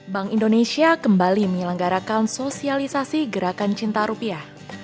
bank indonesia kembali menyelenggarakan sosialisasi gerakan cinta rupiah